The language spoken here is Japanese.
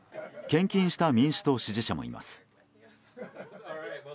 献金した民主党支持者もいます。